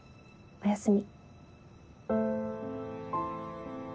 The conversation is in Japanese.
おやすみ。